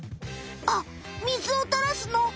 あっみずをたらすの？